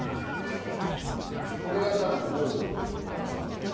これが多分ホームだったんでしょうね。